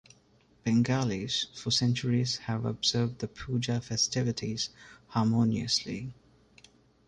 Bengalis, for centuries, have observed the Puja festivities harmoniously.